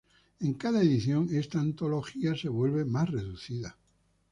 En cada edición esta antología se vuelve más reducida.